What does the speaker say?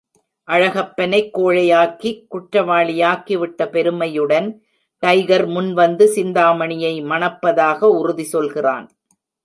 அழகப்பனைக் கோழையாக்கிக் குற்றவாளியாக்கிவிட்ட பெருமையுடன், டைகர் முன் வந்து சிந்தாமணியை மணப்பதாக உறுதி சொல்கிறான்.